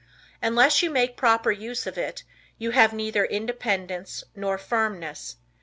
Unless you make proper use of it you have neither independence nor firmness.